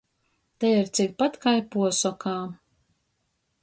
Te ir cikpat kai puosokā.